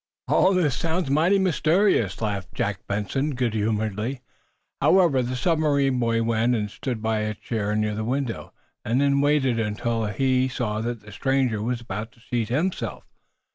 "All this sounds mighty mysterious," laughed Jack Benson, good humoredly. However, the submarine boy went and stood by a chair near the window and then waited until he saw that the stranger was about to seat himself.